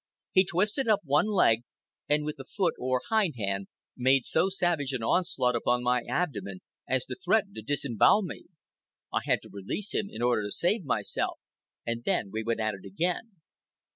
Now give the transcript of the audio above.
He twisted up one leg, and with the foot (or hind hand) made so savage an onslaught upon my abdomen as to threaten to disembowel me. I had to release him in order to save myself, and then we went at it again.